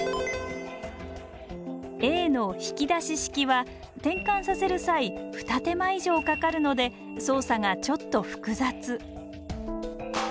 Ａの引き出し式は転換させる際ふた手間以上かかるので操作がちょっと複雑。